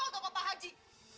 kepada pak haji